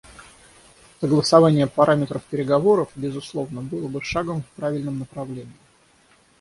Согласование параметров переговоров, безусловно, было бы шагом в правильном направлении.